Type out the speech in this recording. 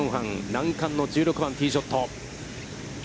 難関の１６番、ティーショット。